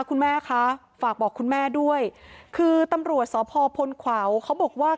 คุณแม่คะฝากบอกคุณแม่ด้วยคือตำรวจสพพลขวาวเขาบอกว่า